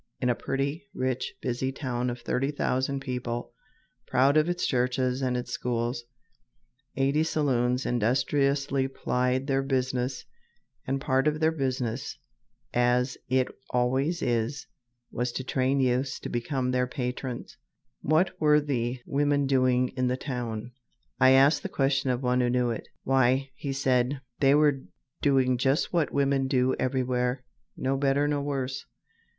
In a pretty, rich, busy town of 30,000 people proud of its churches and its schools, eighty saloons industriously plied their business and part of their business, as it always is, was to train youths to become their patrons. What were the women doing in the town? I asked the question of one who knew it. "Why," he said, "they were doing just what women do everywhere, no better, no worse.